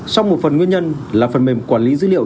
sau một phần nguyên nhân là phần mềm quản lý dữ liệu